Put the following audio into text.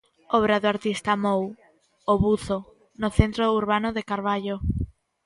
Obra do artista Mou, 'O buzo', no centro urbano de Carballo.